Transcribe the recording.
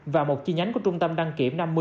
và một chi nhánh của trung tâm đăng kiểm năm mươi ba v